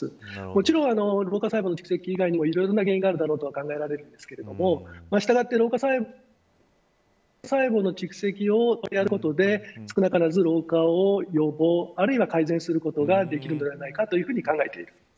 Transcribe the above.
もちろん老化細胞の蓄積以外にもいろいろな原因があるだろうと考えられるんですがしたがって老化細胞の蓄積を取り除くことで少なからず老化を予防あるいは改善することができるんではないかと考えている。